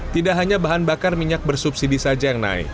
tidak hanya bahan bakar minyak bersubsidi saja yang naik